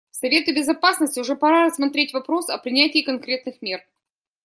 Совету Безопасности уже пора рассмотреть вопрос о принятии конкретных мер.